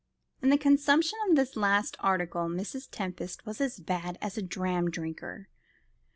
In the consumption of this last article Mrs. Tempest was as bad as a dram drinker.